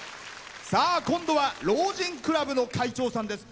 さあ今度は老人クラブの会長さんです。